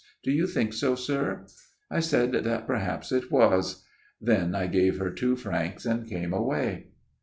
Do you think so, sir ?'" I said that perhaps it was. Then I gave her two francs and came away.